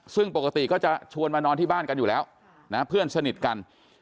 ซึ่งปกติก็จะชวนมานอนที่บ้านกันอยู่แล้วนะเพื่อนสนิทกัน